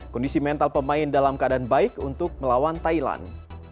kondisi mental pemain dalam keadaan baik untuk melawan thailand